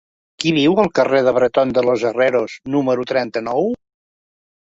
Qui viu al carrer de Bretón de los Herreros número trenta-nou?